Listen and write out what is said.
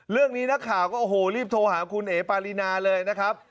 เรื่องนี้นักข่าวก็โอ้โหรีบโทรหาคุณเอ๋ปารีนาเลยนะครับ